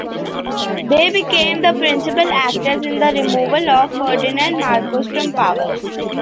They became the principal actors in the removal of Ferdinand Marcos from power.